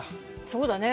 そうだね。